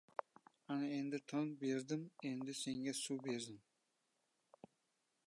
Ana, endi tong berdim, endi senga suv berdim.